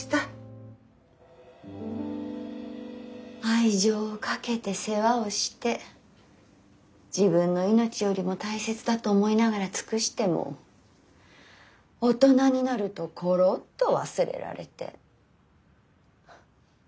愛情をかけて世話をして自分の命よりも大切だと思いながら尽くしても大人になるとコロッと忘れられて。